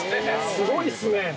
すごいっすね。